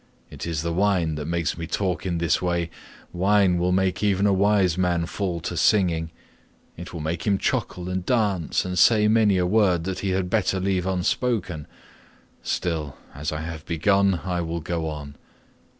It is the wine that makes me talk in this way; wine will make even a wise man fall to singing; it will make him chuckle and dance and say many a word that he had better leave unspoken; still, as I have begun, I will go on.